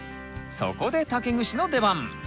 そこで竹串の出番！